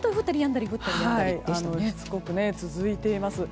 しつこく続いています。